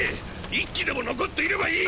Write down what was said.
１機でも残っていればいい！！